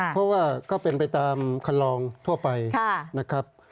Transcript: เพราะว่าก็เป็นไปตามคันลองทั่วไปนะครับ